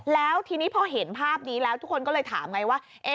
แล้วทีนี้พอเห็นภาพนี้แล้วทุกคนก็เลยถามไงว่า